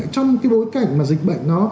trong cái bối cảnh mà dịch bệnh nó